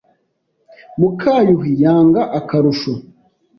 Mukayuhi yanga akarusho